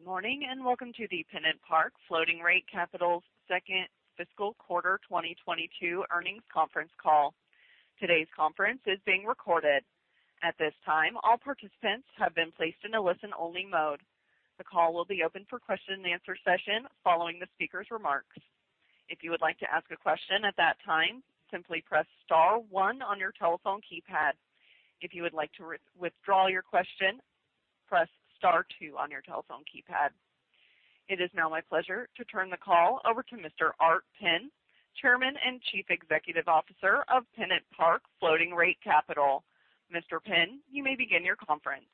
Good morning. Welcome to the PennantPark Floating Rate Capital's Second Fiscal Quarter 2022 Earnings Conference Call. Today's conference is being recorded. At this time, all participants have been placed in a listen-only mode. The call will be open for question-and-answer session following the speaker's remarks. If you would like to ask a question at that time, simply press star 1 on your telephone keypad. If you would like to withdraw your question, press star 2 on your telephone keypad. It is now my pleasure to turn the call over to Mr. Art Penn, Chairman and Chief Executive Officer of PennantPark Floating Rate Capital. Mr. Penn, you may begin the conference.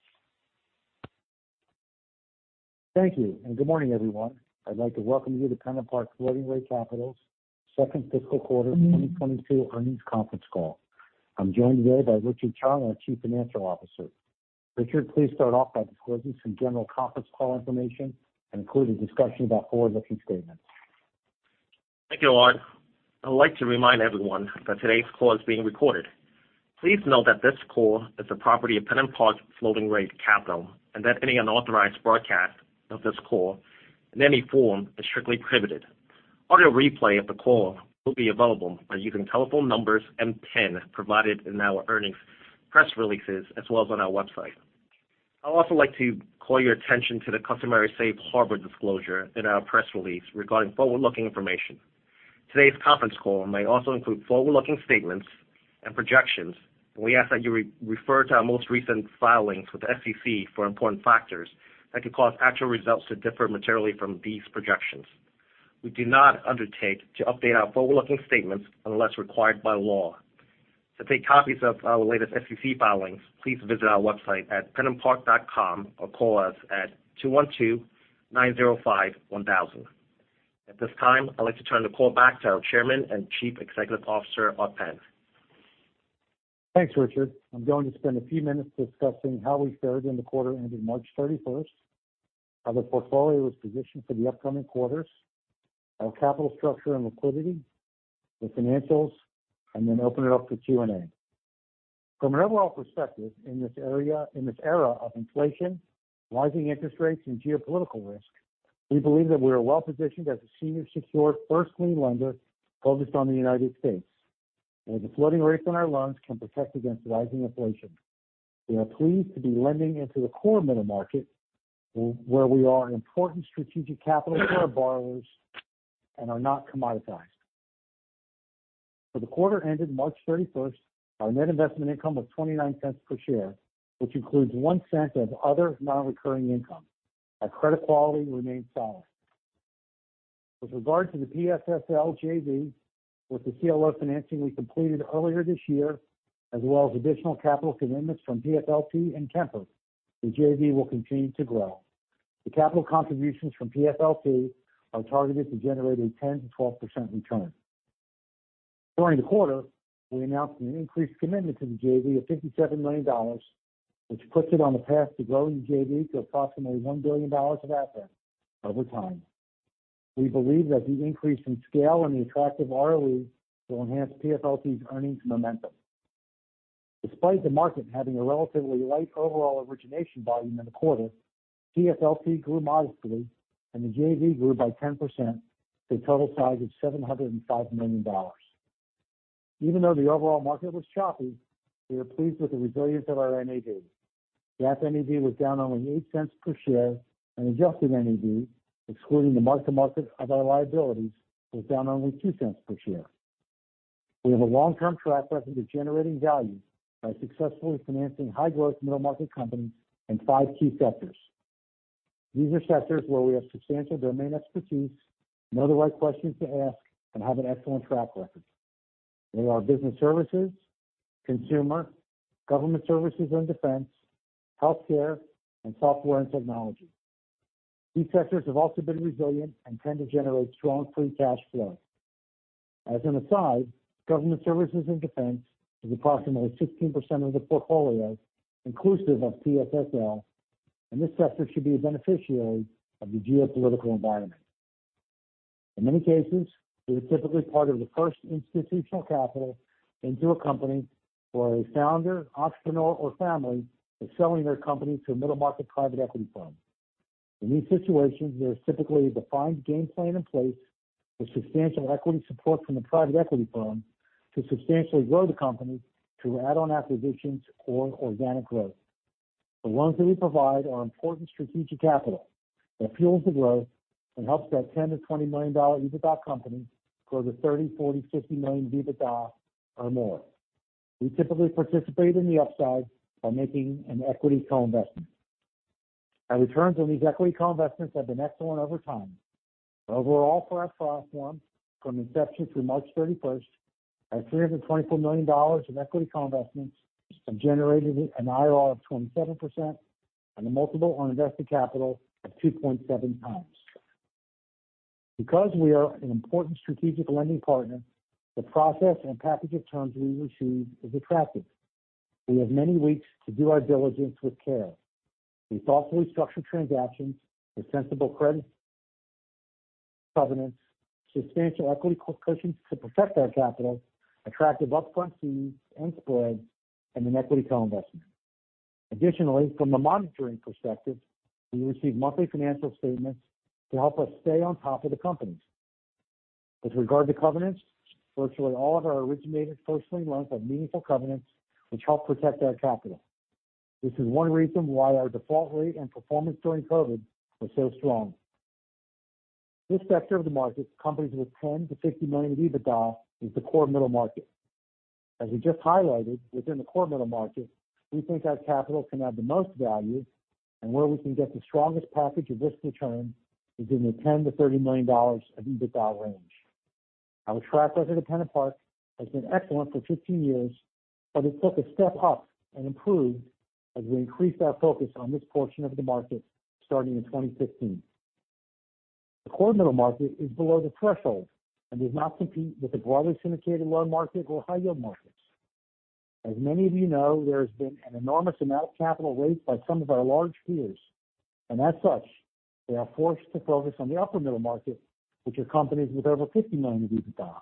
Thank you, and good morning, everyone. I'd like to welcome you to PennantPark Floating Rate Capital's Second Fiscal Quarter 2022 Earnings Conference Call. I'm joined today by Richard Cheung, our Chief Financial Officer. Richard, please start off by disclosing some general conference call information and include a discussion about forward-looking statements. Thank you, Art. I'd like to remind everyone that today's call is being recorded. Please note that this call is the property of PennantPark Floating Rate Capital, and that any unauthorized broadcast of this call in any form is strictly prohibited. Audio replay of the call will be available by using telephone numbers and PIN provided in our earnings press releases as well as on our website. I'd also like to call your attention to the customary safe harbor disclosure in our press release regarding forward-looking information. Today's conference call may also include forward-looking statements and projections, and we ask that you refer to our most recent filings with the SEC for important factors that could cause actual results to differ materially from these projections. We do not undertake to update our forward-looking statements unless required by law. To take copies of our latest SEC filings, please visit our website at pennantpark.com or call us at 212-905-1000. At this time, I'd like to turn the call back to our Chairman and Chief Executive Officer, Art Penn. Thanks, Richard. I'm going to spend a few minutes discussing how we fared in the quarter ending March 31, how the portfolio was positioned for the upcoming quarters, our capital structure and liquidity, the financials, and then open it up to Q&A. From an overall perspective in this era of inflation, rising interest rates, and geopolitical risk, we believe that we are well-positioned as a senior secured first lien lender focused on the United States. The floating rates on our loans can protect against rising inflation. We are pleased to be lending into the core middle market where we are an important strategic capital for our borrowers and are not commoditized. For the quarter ending March 31, our net investment income was $0.29 per share, which includes $0.01 of other non-recurring income. Our credit quality remained solid. With regard to the PSSL JV, with the CLO financing we completed earlier this year, as well as additional capital commitments from PFLT and Trinity, the JV will continue to grow. The capital contributions from PFLT are targeted to generate a 10%-12% return. During the quarter, we announced an increased commitment to the JV of $57 million, which puts it on the path to growing the JV to approximately $1 billion of assets over time. We believe that the increase in scale and the attractive ROE will enhance PFLT's earnings momentum. Despite the market having a relatively light overall origination volume in the quarter, PFLT grew modestly and the JV grew by 10% to a total size of $705 million. Even though the overall market was choppy, we are pleased with the resilience of our NAV. GAAP NAV was down only $0.08 per share, and adjusted NAV, excluding the mark-to-market of our liabilities, was down only $0.02 per share. We have a long-term track record of generating value by successfully financing high-growth middle market companies in five key sectors. These are sectors where we have substantial domain expertise, know the right questions to ask, and have an excellent track record. They are business services, consumer, government services and defense, healthcare, and software and technology. These sectors have also been resilient and tend to generate strong free cash flow. As an aside, government services and defense is approximately 16% of the portfolio, inclusive of PSSL, and this sector should be a beneficiary of the geopolitical environment. In many cases, we are typically part of the first institutional capital into a company where a founder, entrepreneur, or family is selling their company to a middle-market private equity firm. In these situations, there is typically a defined game plan in place with substantial equity support from the private equity firm to substantially grow the company through add-on acquisitions or organic growth. The loans that we provide are important strategic capital that fuels the growth and helps that $10 million-$20 million EBITDA company grow to $30 million, $40 million, $50 million EBITDA or more. We typically participate in the upside by making an equity co-investment. Our returns on these equity co-investments have been excellent over time. Overall for our platform, from inception through March 31, our $324 million in equity co-investments have generated an IRR of 27% and a multiple on invested capital of 2.7x. Because we are an important strategic lending partner, the process and package of terms we receive is attractive. We have many weeks to do our diligence with care. We thoughtfully structure transactions with sensible credit covenants, substantial equity cushions to protect our capital, attractive upfront fees and spreads, and an equity co-investment. Additionally, from a monitoring perspective, we receive monthly financial statements to help us stay on top of the companies. With regard to covenants, virtually all of our originated first lien loans have meaningful covenants which help protect our capital. This is one reason why our default rate and performance during COVID were so strong. This sector of the market, companies with 10 million-50 million of EBITDA, is the core middle market. As we just highlighted, within the core middle market, we think our capital can add the most value and where we can get the strongest package of risk return is in the $10 million-$30 million of EBITDA range. Our track record at PennantPark has been excellent for 15 years, but it took a step up and improved as we increased our focus on this portion of the market starting in 2015. The core middle market is below the threshold and does not compete with the broadly syndicated loan market or high yield markets. As many of you know, there has been an enormous amount of capital raised by some of our large peers. As such, they are forced to focus on the upper middle market, which are companies with over $50 million of EBITDA.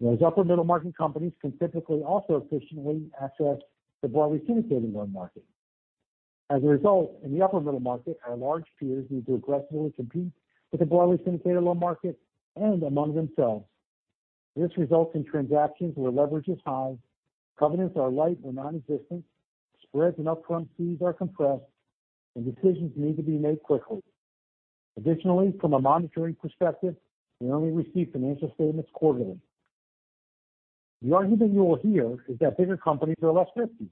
Those upper middle market companies can typically also efficiently access the broadly syndicated loan market. As a result, in the upper middle market, our large peers need to aggressively compete with the broadly syndicated loan market and among themselves. This results in transactions where leverage is high, covenants are light or non-existent, spreads and upfront fees are compressed, and decisions need to be made quickly. Additionally, from a monitoring perspective, we only receive financial statements quarterly. The argument you will hear is that bigger companies are less risky.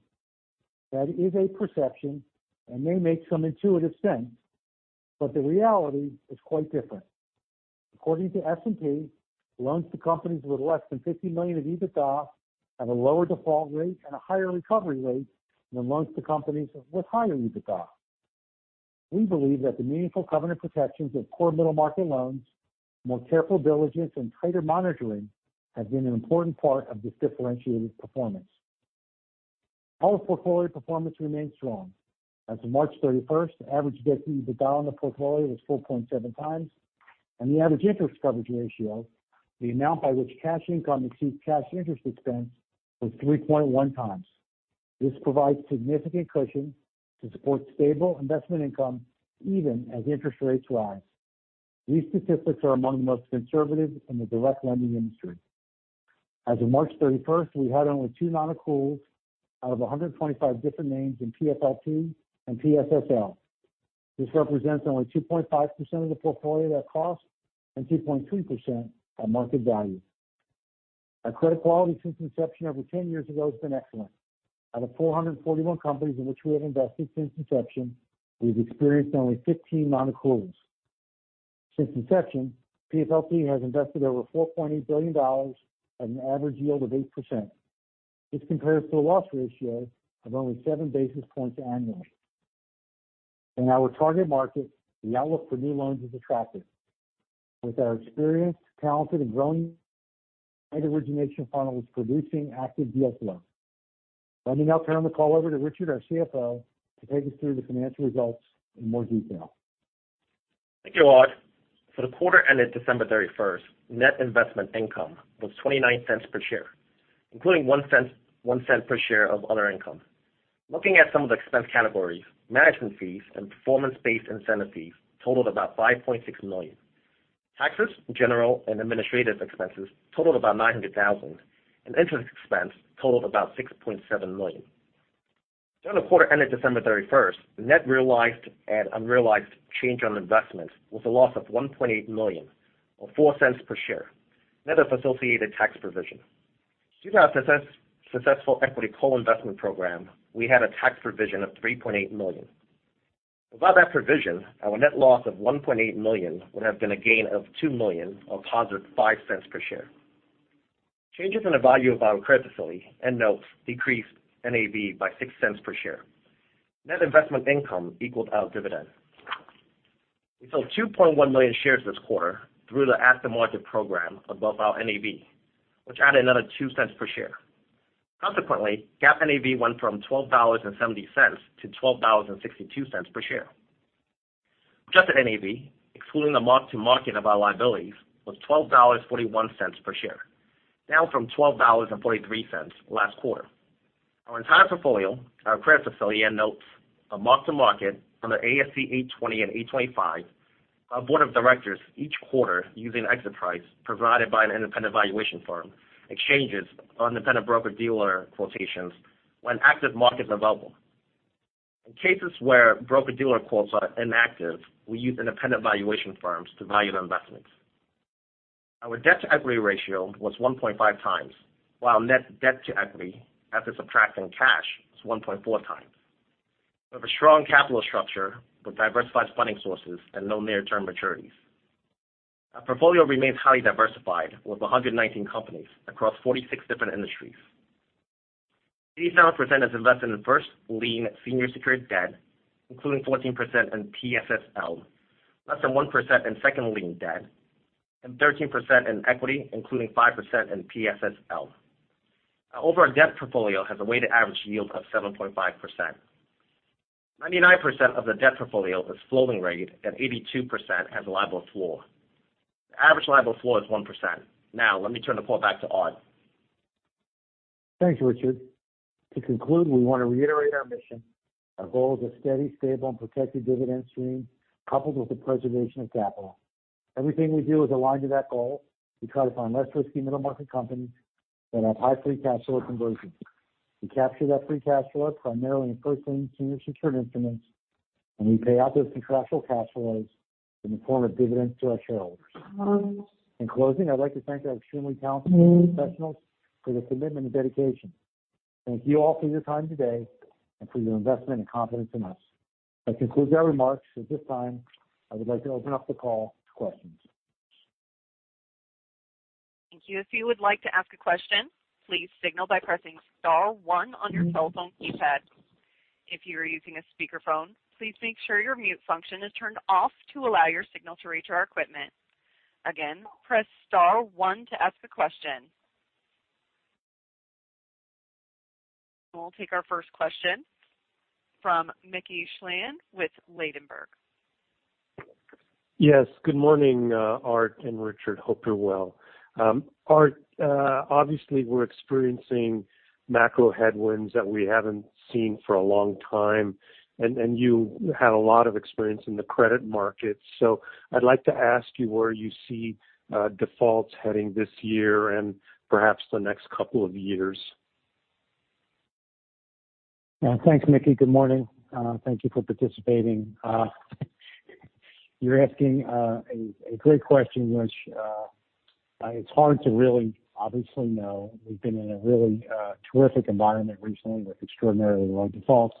That is a perception and may make some intuitive sense, but the reality is quite different. According to S&P, loans to companies with less than $50 million of EBITDA have a lower default rate and a higher recovery rate than loans to companies with higher EBITDA. We believe that the meaningful covenant protections of core middle market loans, more careful diligence, and tighter monitoring have been an important part of this differentiated performance. Our portfolio performance remains strong. As of March 31st, the average debt-to-EBITDA on the portfolio was 4.7x, and the average interest coverage ratio, the amount by which cash income exceeds cash interest expense, was 3.1x. This provides significant cushion to support stable investment income even as interest rates rise. These statistics are among the most conservative in the direct lending industry. As of March 31st, we had only two non-accruals out of 125 different names in PFLT and PSSL. This represents only 2.5% of the portfolio at cost and 2.2% at market value. Our credit quality since inception over 10 years ago has been excellent. Out of 441 companies in which we have invested since inception, we've experienced only 15 non-accruals. Since inception, PFLT has invested over $4.8 billion at an average yield of 8%. This compares to a loss ratio of only 7 basis points annually. In our target market, the outlook for new loans is attractive. With our experience, talented and growing origination funnel is producing active deal flow. Let me now turn the call over to Richard, our CFO, to take us through the financial results in more detail. Thank you, Art. For the quarter ended December 31st, net investment income was $0.29 per share, including $0.01, $0.01 per share of other income. Looking at some of the expense categories, management fees and performance-based incentive fees totaled about $5.6 million. Taxes, general, and administrative expenses totaled about $900,000, and interest expense totaled about $6.7 million. During the quarter ended December 31st, the net realized and unrealized change on investment was a loss of $1.8 million or $0.04 per share. Net of associated tax provision. Due to our successful equity co-investment program, we had a tax provision of $3.8 million. Without that provision, our net loss of $1.8 million would have been a gain of $2 million or positive $0.05 per share. Changes in the value of our credit facility and notes decreased NAV by $0.06 per share. Net investment income equaled our dividend. We sold 2.1 million shares this quarter through the at-the-market program above our NAV, which added another $0.02 per share. Consequently, GAAP NAV went from $12.70-$12.62 per share. Adjusted NAV, excluding the mark-to-market of our liabilities, was $12.41 per share, down from $12.43 last quarter. Our entire portfolio, our credit facility, and notes are marked to market under ASC 820 and 825. Our board of directors each quarter using exit price provided by an independent valuation firm relies on independent broker-dealer quotations when active markets are available. In cases where broker-dealer quotes are inactive, we use independent valuation firms to value our investments. Our debt-to-equity ratio was 1.5 times, while net debt-to-equity after subtracting cash was 1.4 times. We have a strong capital structure with diversified funding sources and no near-term maturities. Our portfolio remains highly diversified with 119 companies across 46 different industries. 87% is invested in first lien senior secured debt, including 14% in PSSL, less than 1% in second lien debt, and 13% in equity, including 5% in PSSL. Our overall debt portfolio has a weighted average yield of 7.5%. 99% of the debt portfolio is floating rate and 82% has a LIBOR floor. The average LIBOR floor is 1%. Now let me turn the call back to Art. Thanks, Richard. To conclude, we want to reiterate our mission. Our goal is a steady, stable and protected dividend stream, coupled with the preservation of capital. Everything we do is aligned to that goal. We try to find less risky middle-market companies that have high free cash flow conversions. We capture that free cash flow primarily in first lien, senior secured instruments, and we pay out those contractual cash flows in the form of dividends to our shareholders. In closing, I'd like to thank our extremely talented professionals for their commitment and dedication. Thank you all for your time today and for your investment and confidence in us. That concludes our remarks. At this time, I would like to open up the call to questions. Thank you. If you would like to ask a question, please signal by pressing star 1 on your cell phone keypad. If you are using a speakerphone, please make sure your mute function is turned off to allow your signal to reach our equipment. Again, press star 1 to ask a question. We'll take our first question from Mickey Schleien with Ladenburg Thalmann. Yes, good morning, Art and Richard. Hope you're well. Art, obviously we're experiencing macro headwinds that we haven't seen for a long time. You had a lot of experience in the credit market. I'd like to ask you where you see defaults heading this year and perhaps the next couple of years. Thanks, Mickey. Good morning. Thank you for participating. You're asking a great question, which it's hard to really obviously know. We've been in a really terrific environment recently with extraordinarily low defaults.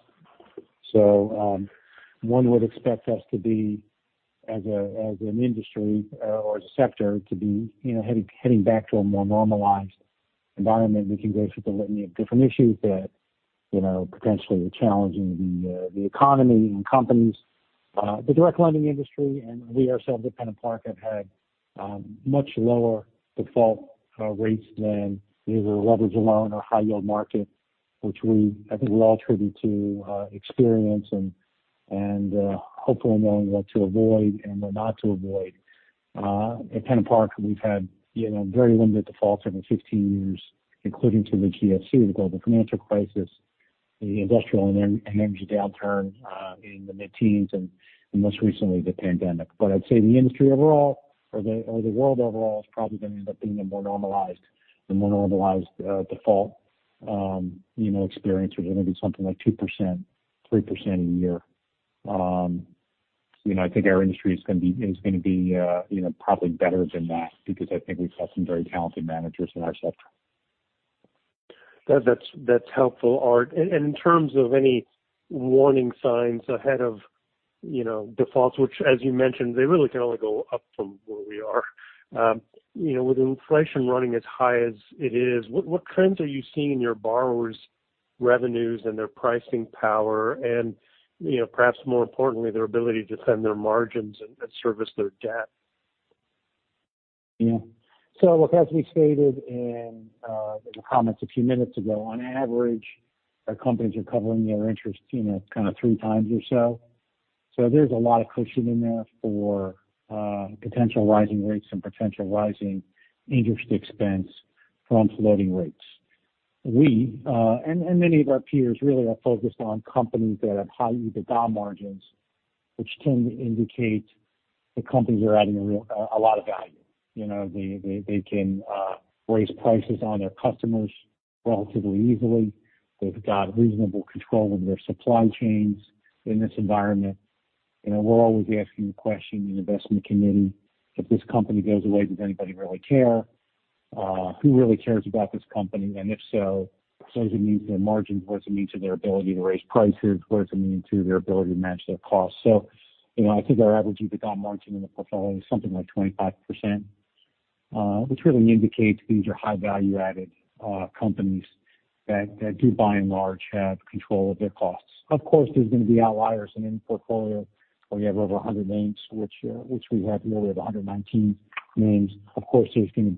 One would expect us to be, as an industry or as a sector, to be, you know, heading back to a more normalized environment. We can go through the litany of different issues that, you know, potentially are challenging the economy and companies. The direct lending industry and we ourselves at PennantPark have had much lower default rates than either leveraged loan or high yield market, which I think we all attribute to experience and hopefully knowing what to avoid and what not to avoid. At PennantPark, we've had, you know, very limited defaults over 15 years, including through the GFC, the global financial crisis, the industrial and energy downturn in the mid-teens and most recently the pandemic. I'd say the industry overall or the world overall is probably going to end up being a more normalized default, you know, experience. We're going to be something like 2%, 3% a year. You know, I think our industry is gonna be, you know, probably better than that because I think we've got some very talented managers in our sector. That's helpful, Art. In terms of any warning signs ahead of, you know, defaults, which as you mentioned, they really can only go up from where we are. You know, with inflation running as high as it is, what trends are you seeing in your borrowers' revenues and their pricing power? And, you know, perhaps more importantly, their ability to defend their margins and service their debt. Yeah. Look, as we stated in the comments a few minutes ago, on average, our companies are covering their interest, you know, kind of three times or so. There's a lot of cushion in there for potential rising rates and potential rising interest expense from floating rates. We and many of our peers really are focused on companies that have high EBITDA margins, which tend to indicate the companies are adding a lot of value. You know, they can raise prices on their customers relatively easily. They've got reasonable control over their supply chains in this environment. You know, we're always asking the question in the investment committee, if this company goes away, does anybody really care? Who really cares about this company? If so, what does it mean to their margins? What does it mean to their ability to raise prices? What does it mean to their ability to manage their costs? You know, I think our average EBITDA margin in the portfolio is something like 25%, which really indicates these are high value-added companies that do by and large have control of their costs. Of course, there's going to be outliers in any portfolio. We have over 100 names, which we have nearly 119 names. Of course, there's going to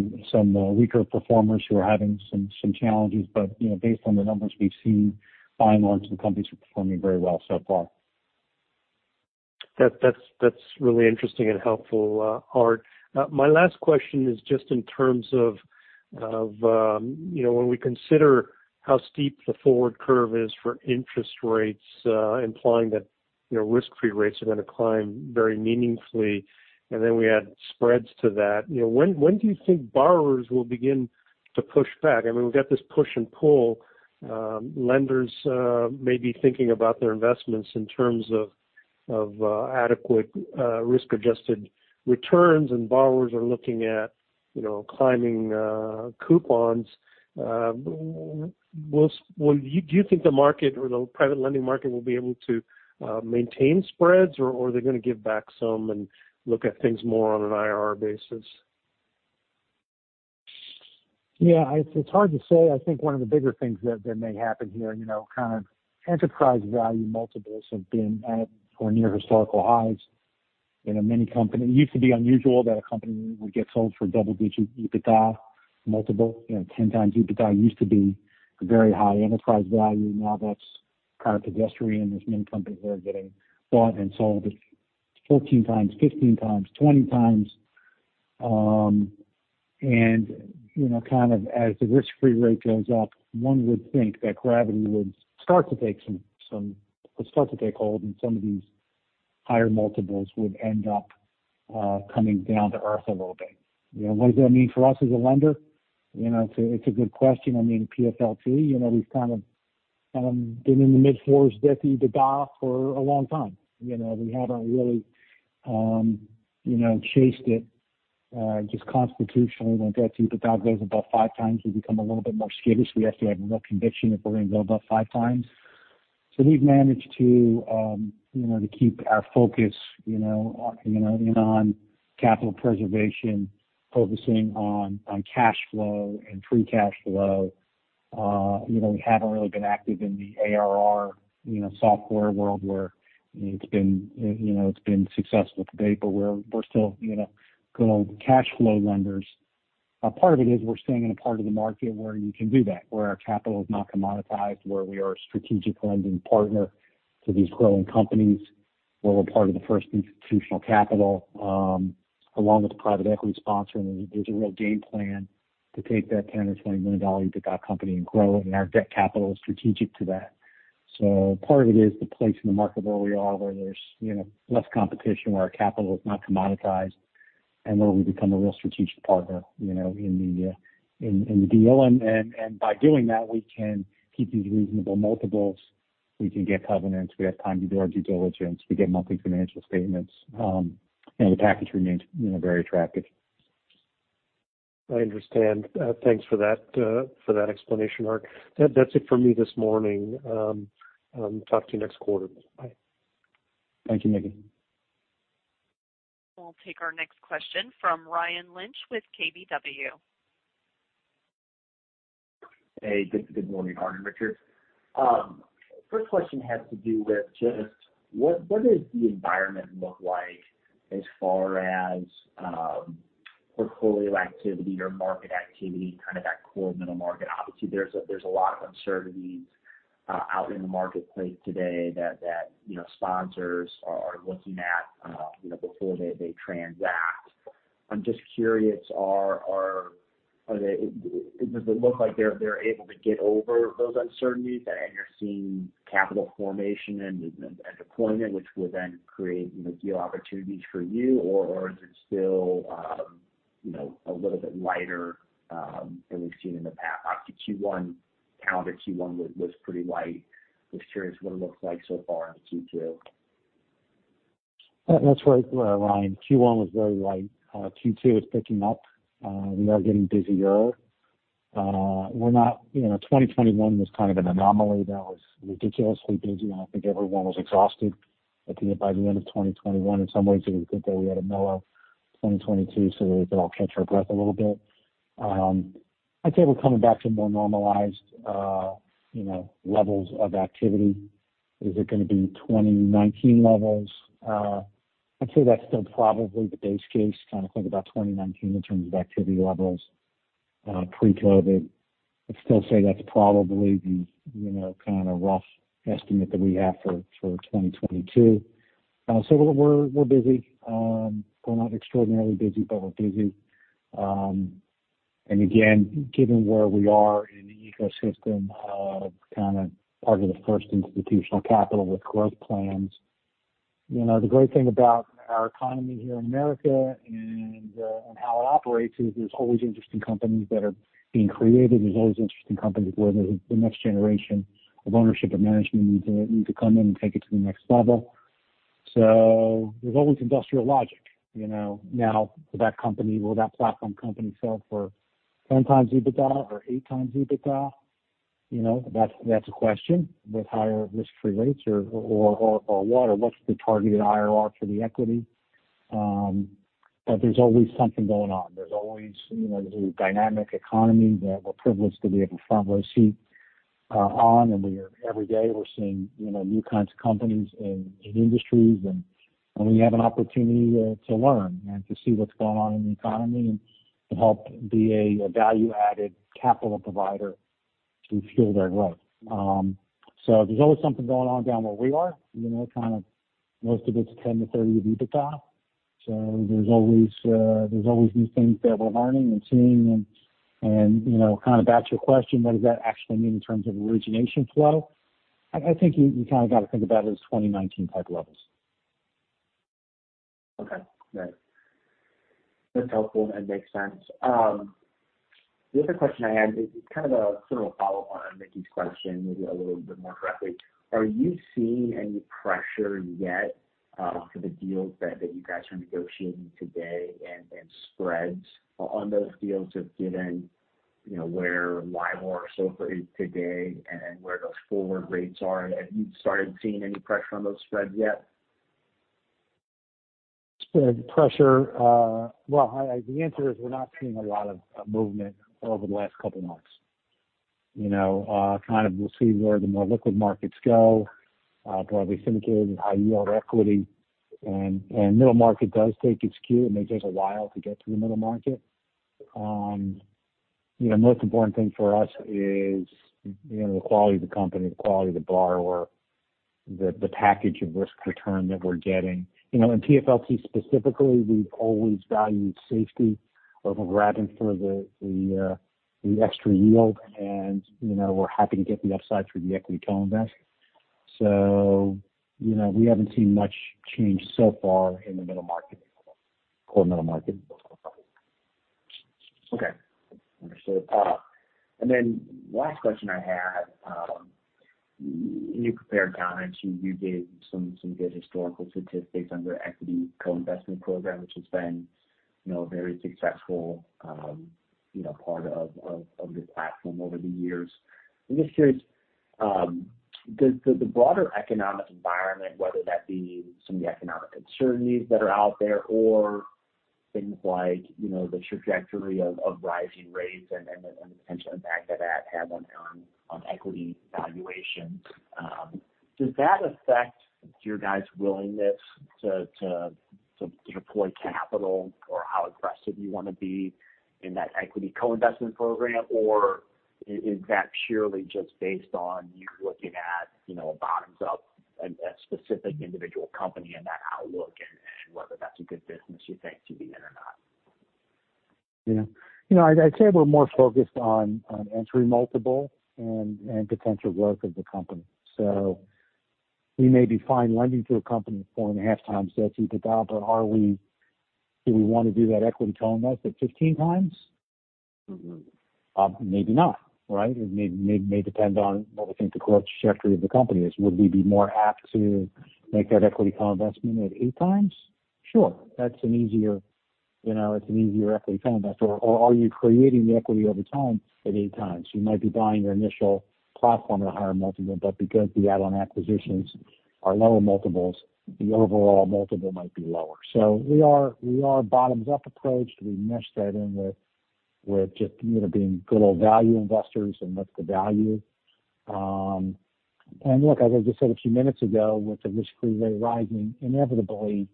be some weaker performers who are having some challenges. You know, based on the numbers we've seen, by and large, the companies are performing very well so far. That's really interesting and helpful, Art. My last question is just in terms of you know, when we consider how steep the forward curve is for interest rates, implying that you know, risk-free rates are going to climb very meaningfully, and then we add spreads to that. You know, when do you think borrowers will begin to push back? I mean, we've got this push and pull. Lenders may be thinking about their investments in terms of adequate risk-adjusted returns, and borrowers are looking at you know, climbing coupons. Do you think the market or the private lending market will be able to maintain spreads, or are they going to give back some and look at things more on an IRR basis? Yeah. It's hard to say. I think one of the bigger things that may happen here, you know, kind of enterprise value multiples have been at or near historical highs. You know, it used to be unusual that a company would get sold for double-digit EBITDA multiple. You know, 10 times EBITDA used to be a very high enterprise value. Now that's kind of pedestrian. There's many companies that are getting bought and sold at 14 times, 15 times, 20 times. And, you know, kind of as the risk-free rate goes up, one would think that gravity would start to take hold, and some of these higher multiples would end up coming down to earth a little bit. You know, what does that mean for us as a lender? You know, it's a good question. I mean, PFLT, you know, we've kind of been in the mid-4x EBITDA for a long time. You know, we haven't really, you know, chased it, just constitutionally when EBITDA goes above 5x, we become a little bit more skittish. We have to have more conviction if we're gonna go above 5x. We've managed to keep our focus, you know, on capital preservation, focusing on cash flow and free cash flow. You know, we haven't really been active in the ARR software world where it's been successful to date, but we're still, you know, good old cash flow lenders. A part of it is we're staying in a part of the market where you can do that, where our capital is not commoditized, where we are a strategic lending partner to these growing companies, where we're part of the first institutional capital, along with the private equity sponsor. There's a real game plan to take that $10 million or $20 million EBITDA company and grow it, and our debt capital is strategic to that. Part of it is the place in the market where we are, where there's, you know, less competition, where our capital is not commoditized, and where we become a real strategic partner, you know, in the deal. By doing that, we can keep these reasonable multiples. We can get covenants. We have time to do our due diligence. We get monthly financial statements, and the package remains, you know, very attractive. I understand. Thanks for that explanation, Art. That's it for me this morning. Talk to you next quarter. Bye. Thank you, Mickey. We'll take our next question from Ryan Lynch with KBW. Hey, good morning, Art and Richard. First question has to do with just what does the environment look like as far as portfolio activity or market activity, kind of that core middle market? Obviously, there's a lot of uncertainties out in the marketplace today that you know, sponsors are looking at you know, before they transact. I'm just curious, does it look like they're able to get over those uncertainties and you're seeing capital formation and deployment, which will then create you know, deal opportunities for you? Or is it still you know, a little bit lighter than we've seen in the past? Obviously, Q1, calendar Q1 was pretty light. Just curious what it looks like so far in Q2. That's right, Ryan. Q1 was very light. Q2 is picking up. We are getting busier. We're not, you know, 2021 was kind of an anomaly that was ridiculously busy, and I think everyone was exhausted by the end of 2021. In some ways, it was good that we had a mellow 2022, so we could all catch our breath a little bit. I'd say we're coming back to more normalized, you know, levels of activity. Is it gonna be 2019 levels? I'd say that's still probably the base case, kind of think about 2019 in terms of activity levels, pre-COVID. I'd still say that's probably the, you know, kind of rough estimate that we have for 2022. So we're busy. We're not extraordinarily busy, but we're busy. Again, given where we are in the ecosystem of kind of part of the first institutional capital with growth plans, you know, the great thing about our economy here in America and how it operates is there's always interesting companies that are being created. There's always interesting companies where the next generation of ownership and management need to come in and take it to the next level. So there's always industrial logic, you know. Now, will that platform company sell for 10x EBITDA or 8x EBITDA? You know, that's a question. With higher risk-free rates or what's the targeted IRR for the equity? But there's always something going on. There's always, you know, there's a dynamic economy that we're privileged to be able to front row seat on. Every day, we're seeing, you know, new kinds of companies and industries and we have an opportunity to learn and to see what's going on in the economy and help be a value-added capital provider we feel very right. So there's always something going on down where we are, you know, kind of most of it's 10-30 of EBITDA. So there's always new things that we're learning and seeing. You know, kind of back to your question, what does that actually mean in terms of origination flow? I think you kind of got to think about it as 2019 type levels. Okay, great. That's helpful and makes sense. The other question I had is kind of a similar follow-up on Mickey's question, maybe a little bit more directly. Are you seeing any pressure yet, for the deals that you guys are negotiating today and spreads on those deals just given, you know, where LIBOR is so far today and where those forward rates are? Have you started seeing any pressure on those spreads yet? Spread pressure. The answer is we're not seeing a lot of movement over the last couple months. You know, kind of we'll see where the more liquid markets go, broadly syndicated and high yield equity and middle market does take its cue. It may take a while to get to the middle market. You know, most important thing for us is, you know, the quality of the company, the quality of the borrower, the package of risk return that we're getting. You know, in PFLT specifically, we've always valued safety over grabbing for the extra yield. You know, we're happy to get the upside through the equity co-invest. You know, we haven't seen much change so far in the middle market. Core middle market. Okay. Understood. Last question I had. In your prepared comments, you gave some good historical statistics on your equity co-investment program, which has been, you know, a very successful, you know, part of your platform over the years. I'm just curious, does the broader economic environment, whether that be some of the economic uncertainties that are out there or things like, you know, the trajectory of rising rates and the potential impact that that has on equity valuations, affect your guys' willingness to deploy capital or how aggressive you wanna be in that equity co-investment program? Is that purely just based on you looking at, you know, a bottoms-up at specific individual company and that outlook and whether that's a good business you think should be in or not? Yeah. You know, I'd say we're more focused on entry multiple and potential growth of the company. We may be fine lending to a company at 4.5x EBITDA. Do we wanna do that equity co-investment at 15x? Mm-hmm. Maybe not, right? It may depend on what we think the growth trajectory of the company is. Would we be more apt to make that equity co-investment at 8x? Sure. That's an easier, you know, it's an easier equity co-investment. Or are you creating the equity over time at 8x? You might be buying your initial platform at a higher multiple, but because the add-on acquisitions are lower multiples, the overall multiple might be lower. We are bottoms up approach. We mesh that in with just, you know, being good old value investors and what's the value. Look, as I just said a few minutes ago, with the risk-free rate rising, inevitably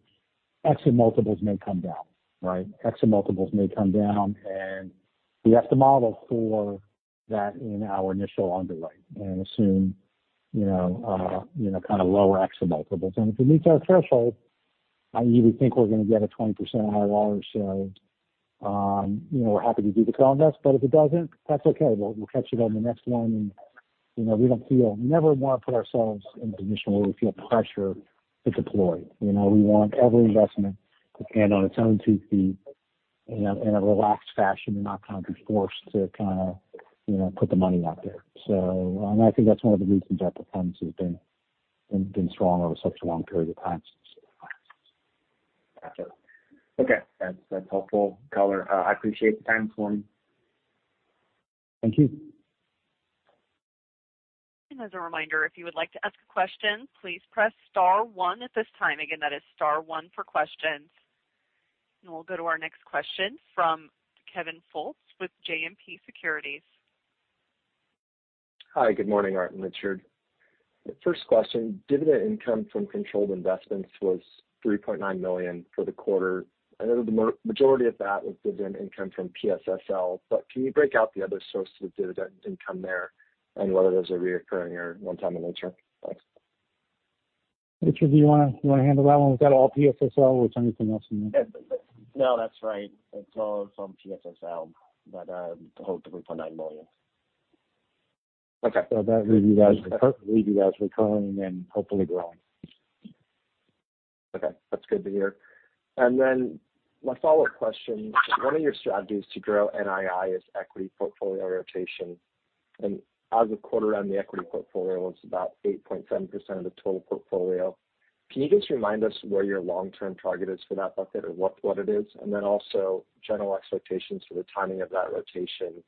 exit multiples may come down, right? Exit multiples may come down, and we have to model for that in our initial underwriting and assume, you know, you know, kind of lower exit multiples. If it meets our threshold and we think we're gonna get a 20% IRR or so, you know, we're happy to do the co-invest. If it doesn't, that's okay. We'll catch it on the next one. You know, we don't feel we never wanna put ourselves in a position where we feel pressure to deploy. You know, we want every investment to stand on its own two feet in a relaxed fashion and not kind of be forced to kind of, you know, put the money out there. I think that's one of the reasons that the fund has been strong over such a long period of time since. Gotcha. Okay, that's helpful color. I appreciate the time for me. Thank you. As a reminder, if you would like to ask a question, please press star 1 at this time. Again, that is star 1 for questions. We'll go to our next question from Kevin Fultz with JMP Securities. Hi, good morning, Art and Richard. The first question, dividend income from controlled investments was $3.9 million for the quarter. I know the majority of that was dividend income from PSSL, but can you break out the other source of dividend income there and whether those are recurring or one-time in nature? Thanks. Richard, do you wanna handle that one? Was that all PSSL or was there anything else in there? No, that's right. It's all from PSSL. That, the whole $3.9 million. Okay. That's revenue, guys, recurring and hopefully growing. Okay, that's good to hear. My follow-up question, one of your strategies to grow NII is equity portfolio rotation. As of quarter end, the equity portfolio was about 8.7% of the total portfolio. Can you just remind us where your long-term target is for that bucket or what it is? Also general expectations for the timing of that rotation,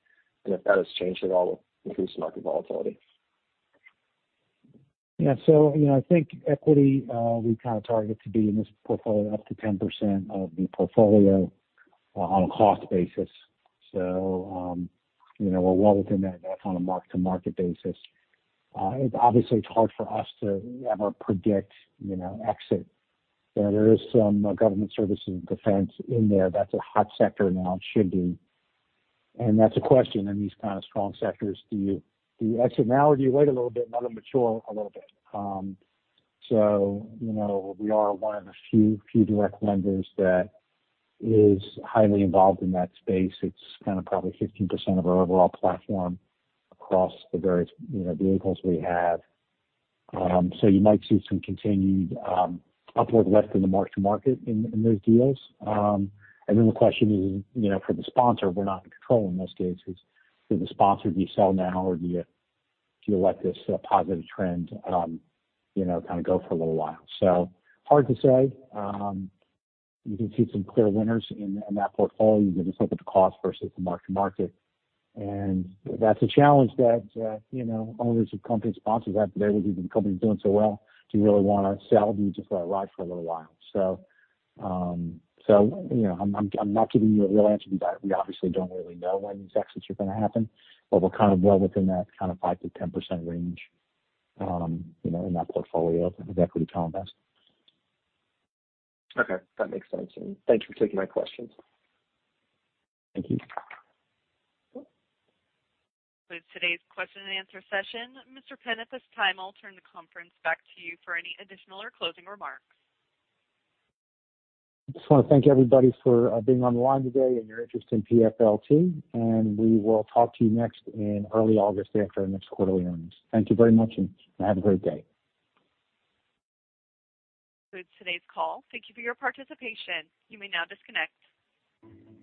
and if that has changed at all with increased market volatility. Yeah. You know, I think equity, we kind of target to be in this portfolio up to 10% of the portfolio, on a cost basis. You know, we're well within that on a mark-to-market basis. It obviously, it's hard for us to ever predict, you know, exit. There is some government services defense in there that's a hot sector now. It should be. That's a question in these kind of strong sectors. Do you exit now or do you wait a little bit and let them mature a little bit? You know, we are one of the few direct lenders that is highly involved in that space. It's kind of probably 15% of our overall platform across the various, you know, vehicles we have. You might see some continued upward lift in the mark-to-market in those deals. The question is, you know, for the sponsor, we're not in control in most cases. Does the sponsor sell now or do you let this positive trend, you know, kind of go for a little while? Hard to say. You can see some clear winners in that portfolio when you look at the cost versus the mark-to-market. That's a challenge that, you know, owners of company sponsors have today with even companies doing so well. Do you really wanna sell? Do you just wanna ride for a little while? You know, I'm not giving you a real answer to that. We obviously don't really know when these exits are gonna happen, but we're kind of well within that kind of 5%-10% range, you know, in that portfolio of equity co-invest. Okay, that makes sense. Thanks for taking my questions. Thank you. With today's question and answer session, Mr. Penn, at this time, I'll turn the conference back to you for any additional or closing remarks. I just wanna thank everybody for being on the line today and your interest in PFLT, and we will talk to you next in early August after our next quarterly earnings. Thank you very much and have a great day. That concludes today's call. Thank you for your participation. You may now disconnect.